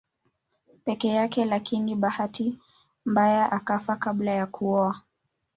Peke yake lakini bahati mbaya akafa kabla ya kuoa